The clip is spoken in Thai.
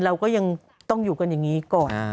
เราก็ยังต้องอยู่กันอย่างนี้ก่อน